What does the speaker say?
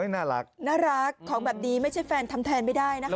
น่ารักของแบบนี้ไม่ใช่แฟนทำแทนไม่ได้นะคะ